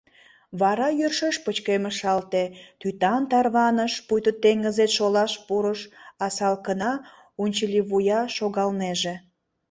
Вара йӧршеш пычкемышалте, тӱтан тарваныш, пуйто теҥызет шолаш пурыш, а салкына унчыливуя шогалнеже.